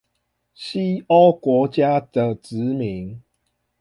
西歐國家的殖民